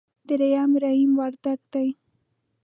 درېم رحيم وردګ دی.